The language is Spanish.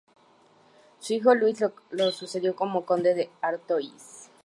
Su hijo Luis la sucedió como conde de Artois.